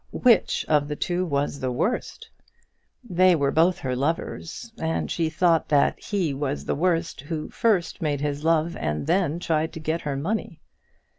Which of the two was the worst? They were both her lovers, and she thought that he was the worst who first made his love and then tried to get her money.